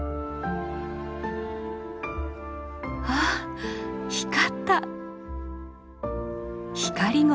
あっ光った！